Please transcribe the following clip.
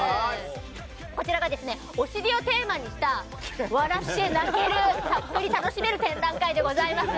こちらがお尻をテーマにした笑って泣けるたっぷり楽しめる展覧会でございます。